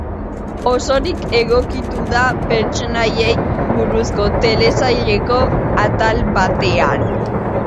Osorik egokitu da pertsonaiei buruzko telesaileko atal batean.